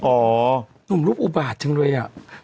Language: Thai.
เป็นการกระตุ้นการไหลเวียนของเลือด